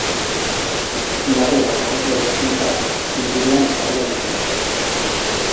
Nabe bakarreko eraikuntza da, inguruan ataria duena.